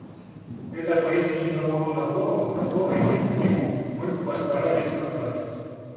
Это поистине того рода форум, который, не будь его, мы бы постарались создать.